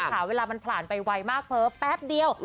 เวลามันผ่านไปไวมากเผลอแป๊บเดียว